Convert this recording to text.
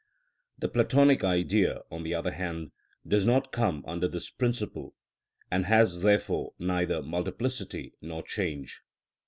The Platonic Idea, on the other hand, does not come under this principle, and has therefore neither multiplicity nor change.